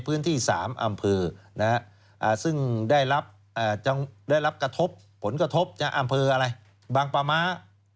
ซึ่งได้รับกระทบผลกระทบอำเภออะไรบางปลาม้า